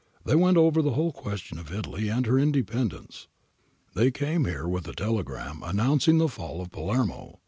They went over the whole question of Italy and her independence. They came here with a telegram announcing the fall of Palermo.